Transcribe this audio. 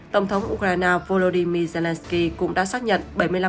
tổng thống ukraine volodymyr zelenskyy cũng đã xác nhận